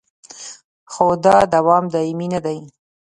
خو دا دوام دایمي نه دی